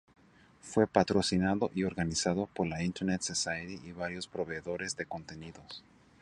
Fue patrocinado y organizado por la Internet Society y varios proveedores de contenidos.